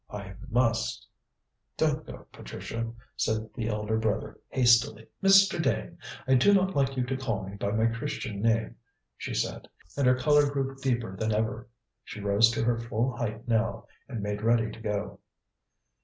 "I must " "Don't go, Patricia," said the elder brother hastily. "Mr. Dane, I do not like you to call me by my Christian name," she said, and her colour grew deeper than ever. She rose to her full height now, and made ready to go.